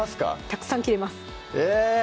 たくさん切れます